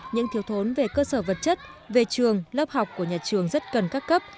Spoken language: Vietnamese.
những thiếu thốn về cơ sở vật chất về trường lớp học của nhà trường rất cần các cấp